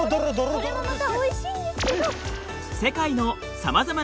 それもまたおいしいんですけど。